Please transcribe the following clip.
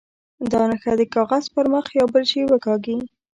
دا نښه د کاغذ پر مخ یا بل شي وکاږي.